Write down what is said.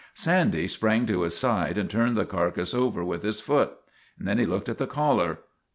Sandy sprang to his side and turned the carcass over with his foot. Then he looked at the collar.